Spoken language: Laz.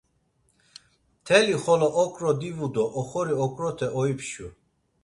Mtelixolo okro divu do oxori okrote oipşu.